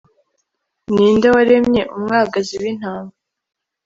ni nde waremye umwagazi w'intama?